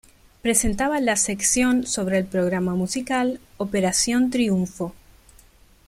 Presentaba la sección sobre el programa musical "Operación Triunfo".